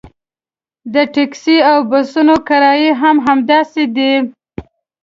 د ټکسي او بسونو کرایې هم همداسې دي.